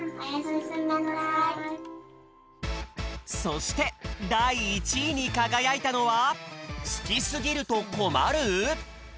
そしてだい１位にかがやいたのは「好きすぎると困る！？」。